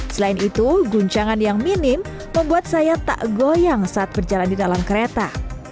selain itu guncangan yang minim membuat saya tak goyang saat berjalan di dalam kereta